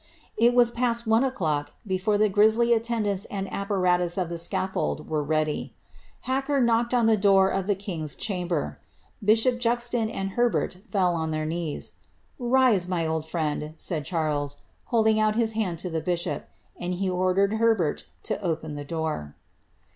It was past one oVlock before the grisly attendants and apparatus of the scatfold were ready. Hacker knocked at the door of the king^i chamber. Bishop Juxon and Herbert fell on their knees. ^ Rise, my old friend,'' said Charles, holding out his hand to the bishop, and he ordered Herbert to open the door.